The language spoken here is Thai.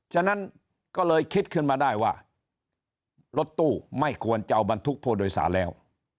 ฉะนั้นก็เลยคิดขึ้นมาได้ว่ารถตู้ไม่ควรจะเอาบรรทุกผู้โดยสารแล้ว